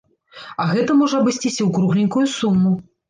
А гэта можа абысціся ў кругленькую суму.